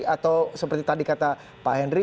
atau seperti tadi kata pak henry